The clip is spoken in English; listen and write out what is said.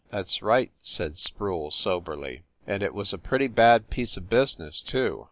"That s right," said Sproule soberly. "And it was a pretty bad piece of business, too.